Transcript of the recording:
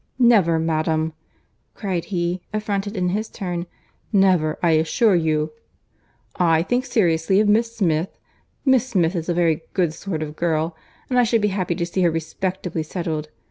"Never, madam," cried he, affronted in his turn: "never, I assure you. I think seriously of Miss Smith!—Miss Smith is a very good sort of girl; and I should be happy to see her respectably settled.